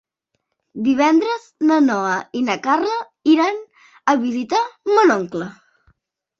Divendres na Noa i na Carla iran a visitar mon oncle.